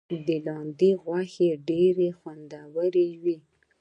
د لاندي غوښه ډیره خوندوره وي.